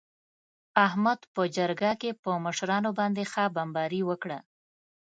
احمد په جرگه کې په مشرانو باندې ښه بمباري وکړه.